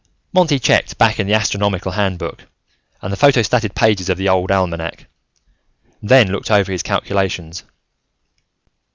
Monty checked back in the astronomical handbook, and the photostated pages of the old almanac, then looked over his calculations.